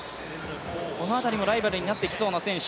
この辺りもライバルになってきそうな選手。